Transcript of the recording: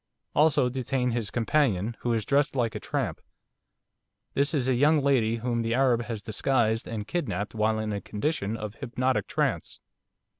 Also detain his companion, who is dressed like a tramp. This is a young lady whom the Arab has disguised and kidnapped while in a condition of hypnotic trance.